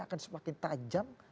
akan semakin tajam